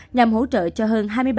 nhằm hỗ trợ cho hơn